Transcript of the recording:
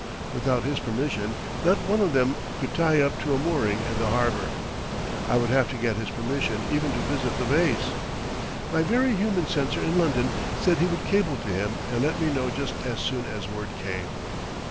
Without his permission not one of them could tie up to a mooring in the harbor. I would have to get his permission even to visit the base. My very human censor in London said he would cable to him and let me know just as soon as word came.